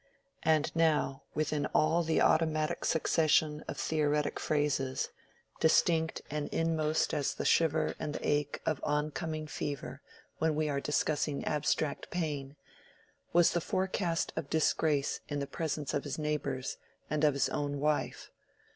And now within all the automatic succession of theoretic phrases—distinct and inmost as the shiver and the ache of oncoming fever when we are discussing abstract pain, was the forecast of disgrace in the presence of his neighbors and of his own wife.